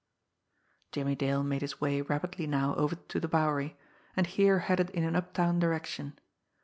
Jimmie Dale made his way rapidly now over to the Bowery, and here headed in an uptown direction.